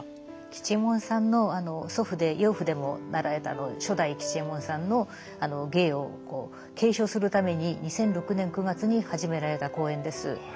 吉右衛門さんの祖父で養父でもあられた初代吉右衛門さんの芸を継承するために２００６年９月に始められた公演です。